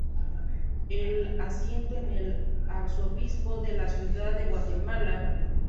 El asiento es el Arzobispo de la Ciudad de Guatemala.